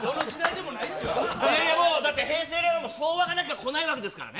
だって、平成、令和も昭和がなきゃ来ないわけですからね。